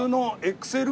ＸＬ？